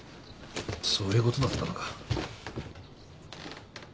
そういうことだったのか。